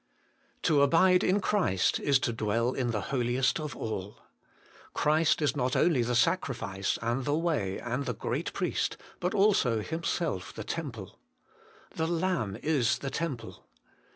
1. To abide in Christ is to dwell in the Holiest of all. Christ is not only the Sacrifice, and the Way, and the Great Priest, but also Himself the Temple. ' The Lamb is the Temple.